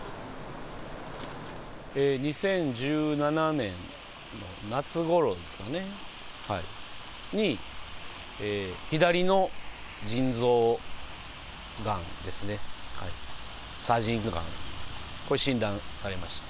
２０１７年の夏ごろですかね、に、左の腎臓のがんですね、左腎がん、これ、診断されました。